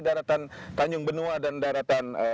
daratan tanjung benua dan daratan